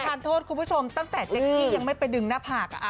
ทานโทษคุณผู้ชมตั้งแต่เจ๊กกี้ยังไม่ไปดึงหน้าผาก